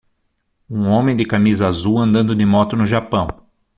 Um homem de camisa azul andando de moto no Japão.